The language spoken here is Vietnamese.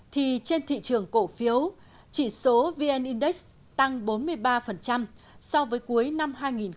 thị trường cổ phiếu chỉ số vn index tăng bốn mươi ba so với cuối năm hai nghìn một mươi sáu